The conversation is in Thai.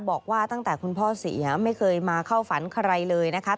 บอกว่าตั้งแต่คุณพ่อเสียไม่เคยมาเข้าฝันใครเลยนะคะ